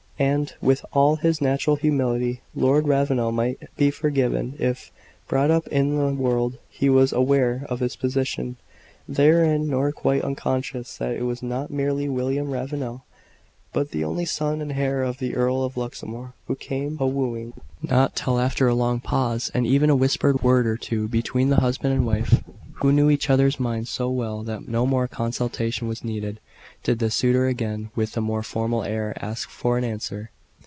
And, with all his natural humility, Lord Ravenel might be forgiven if, brought up in the world, he was aware of his position therein nor quite unconscious that it was not merely William Ravenel, but the only son and heir of the Earl of Luxmore, who came a wooing. Not till after a long pause, and even a whispered word or two between the husband and wife, who knew each other's minds so well that no more consultation was needed did the suitor again, with a more formal air, ask for an answer.